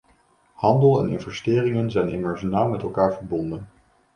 Handel en investeringen zijn immers nauw met elkaar verbonden.